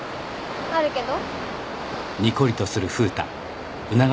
あるけど。